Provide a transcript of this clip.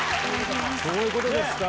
そういうことですか。